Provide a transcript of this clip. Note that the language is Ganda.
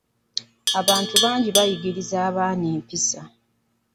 Abantu bangi bayigiriza abaana empisa.